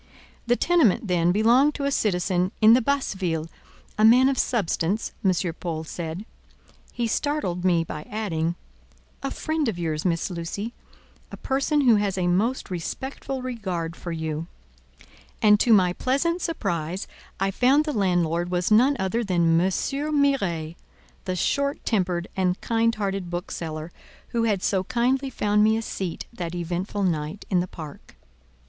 The tenement, then, belonged to a citizen in the Basse Ville—a man of substance, M. Paul said; he startled me by adding: "a friend of yours, Miss Lucy, a person who has a most respectful regard for you." And, to my pleasant surprise, I found the landlord was none other than M. Miret, the short tempered and kind hearted bookseller, who had so kindly found me a seat that eventful night in the park.